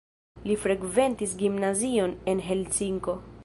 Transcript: Li frekventis gimnazion en Helsinko.